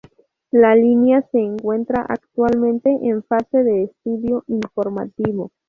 La línea se encuentra actualmente en fase de estudio informativo.